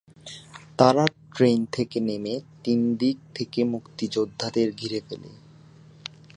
তারা ট্রেন থেকে নেমে তিন দিক থেকে মুক্তিযোদ্ধাদের ঘিরে ফেলে।